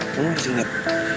kamu harus ingat